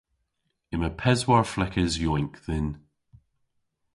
Yma peswar fleghes yowynk dhyn.